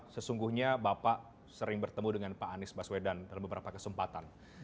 sesungguhnya bapak sering bertemu dengan pak anies baswedan dalam beberapa kesempatan